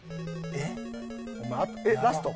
えっラスト？